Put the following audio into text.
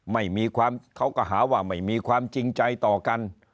ไม่มีความเขาก็หาว่าไม่มีความจริงใจต่อกัน